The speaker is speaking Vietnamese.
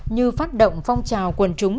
như phát động phong trào quần trúng